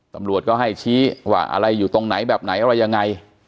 ตำรวจก็ให้ชี้ว่าอะไรอยู่ตรงไหนแบบไหนอะไรยังไง